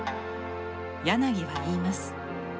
柳は言います。